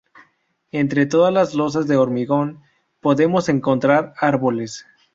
Entre todas las losas de hormigón podemos encontrar árboles.